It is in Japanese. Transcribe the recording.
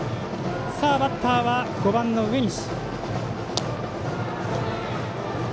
バッターは５番の上西。